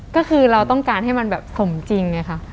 ก็คือเราต้องการให้มันสมจริง